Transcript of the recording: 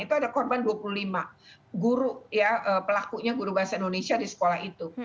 itu ada korban dua puluh lima guru pelakunya guru bahasa indonesia di sekolah itu